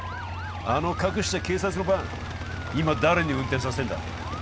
あの隠した警察のバン今誰に運転させてんだ